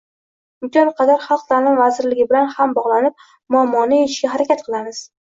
imkon qadar Xalq ta’limi vazirligi bilan ham bog‘lanib, muammoni yechishga harakat qilamiz.